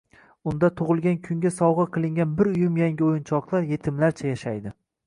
unda tug‘ilgan kunga sovg‘a qilingan bir uyum yangi o‘yinchoqlar yetimlarcha yashaydi.